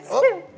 ya udah sih